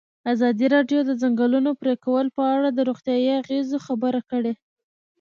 ازادي راډیو د د ځنګلونو پرېکول په اړه د روغتیایي اغېزو خبره کړې.